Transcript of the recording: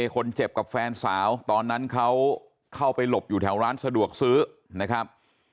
คนเจ็บกับแฟนสาวตอนนั้นเขาเข้าไปหลบอยู่แถวร้านสะดวกซื้อนะครับ